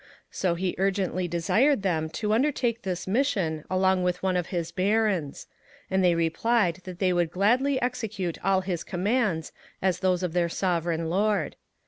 So he urgently desired them to undertake this mission along with one of his Barons; and they replied that they would gladly exe cute ail his commands as those of their Sovereign Lord.